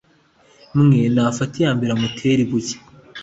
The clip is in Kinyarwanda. mwe nafate iya mbere amutere ibuye